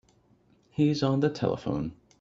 He's on the telephone.